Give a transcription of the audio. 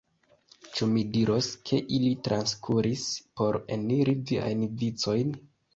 Ĉu mi diros, ke ili transkuris por eniri viajn vicojn?